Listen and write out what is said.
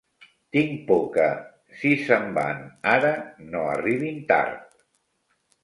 Tinc por que, si se'n van ara, no arribin tard.